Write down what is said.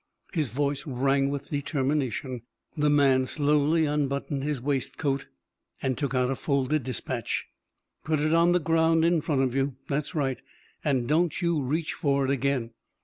His voice rang with determination. The man slowly unbuttoned his waistcoat and took out a folded dispatch. "Put it on the ground in front of you. That's right, and don't you reach for it again.